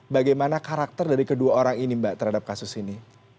bagaimana karakter dari kedua orang ini mbak terhadap kasus ini